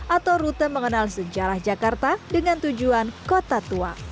atau rute mengenal sejarah jakarta dengan tujuan kota tua